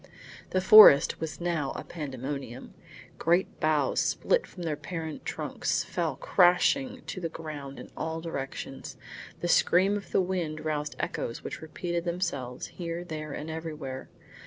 The forest was now a pandemonium. Great boughs, split from their parent trunks, fell crashing to the ground in all directions. The scream of the wind roused echoes which repeated themselves, here, there and everywhere.